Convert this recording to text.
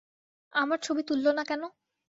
আমার ছবি তুলল না কেন?